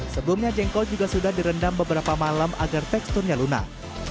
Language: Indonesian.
sebelumnya jengkol juga sudah direndam beberapa malam agar teksturnya lunak